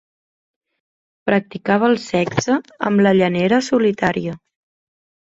Practicava el sexe amb la llanera solitària.